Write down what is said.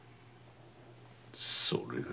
それが。